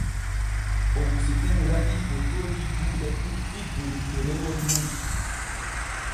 Ogusitin waɗii fotooji juuɗe ɗuuɗɗi der ɗerewol mum.